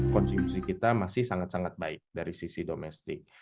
konsumsi kita masih sangat sangat baik dari sisi domestik